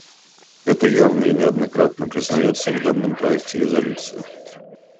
Это явно и неоднократно признается в данном проекте резолюции.